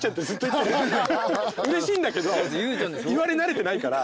うれしいんだけど言われ慣れてないから。